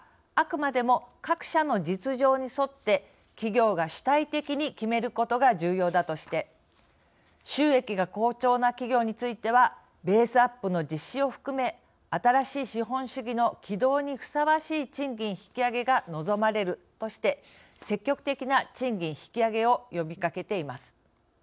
あくまでも各社の実情に沿って企業が主体的に決めることが重要だとして収益が好調な企業についてはベースアップの実施を含め新しい資本主義の起動にふさわしい賃金引き上げが望まれるとして積極的な賃金引き上げを呼びかけています。